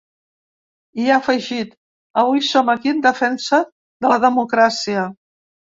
I ha afegit: Avui som aquí en defensa de la democràcia.